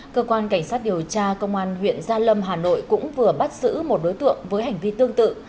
cơ quan cảnh sát điều tra công an huyện gia lâm hà nội cũng vừa bắt giữ một đối tượng với hành vi tương tự